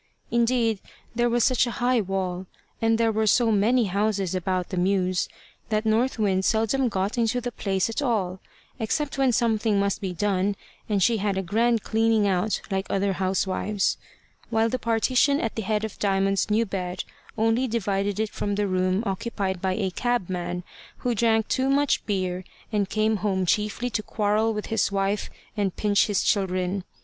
Indeed, there was such a high wall, and there were so many houses about the mews, that North Wind seldom got into the place at all, except when something must be done, and she had a grand cleaning out like other housewives; while the partition at the head of Diamond's new bed only divided it from the room occupied by a cabman who drank too much beer, and came home chiefly to quarrel with his wife and pinch his children.